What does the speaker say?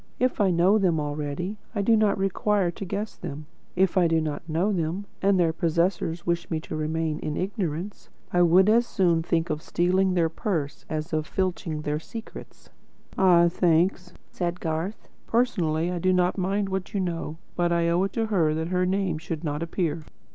If I know them already, I do not require to guess them. If I do not know them, and their possessors wish me to remain in ignorance, I would as soon think of stealing their purse as of filching their secret." "Ah, thanks," said Garth. "Personally, I do not mind what you know. But I owe it to her, that her name should not appear."